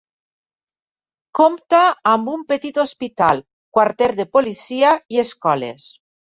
Compta amb un petit hospital, quarter de policia i escoles.